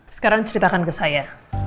sekarang ceritakan ke saya